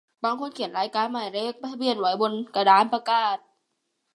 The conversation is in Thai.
บางคนเขียนรายการหมายเลขทะเบียนไว้บนกระดานประกาศ